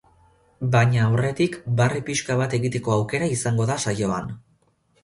Baina aurretik, barre pixka bat egiteko aukera izango da saioan.